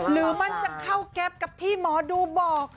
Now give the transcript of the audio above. หรือมันจะเข้าแก๊ปกับที่หมอดูบอก